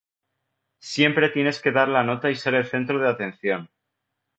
Siempre tienes que dar la nota y ser el centro de atención